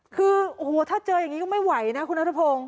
คือโอ้โหถ้าเจออย่างนี้ก็ไม่ไหวนะคุณนัทพงศ์